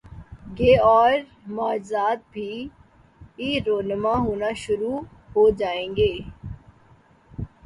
گے اور معجزات بھی رونما ہونا شرو ع ہو جائیں گے۔